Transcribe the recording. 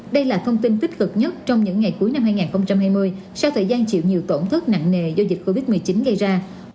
đây là thông tin tích cực nhất trong những ngày cuối năm hai nghìn hai mươi sau thời gian chịu nhiều tổn thất nặng nề do dịch covid một mươi chín gây ra